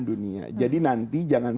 dunia jadi nanti jangan